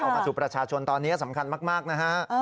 มาสู่ประชาชนตอนนี้สำคัญมากนะฮะ